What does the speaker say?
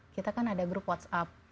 kita kan ada grup whatsapp